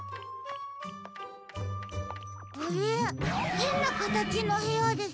へんなかたちのへやですね。